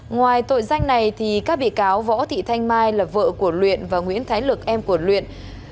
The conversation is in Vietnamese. ngoài tội danh này các bị cáo võ thị thanh mai là vợ của luyện và nguyễn thái lực em của luyện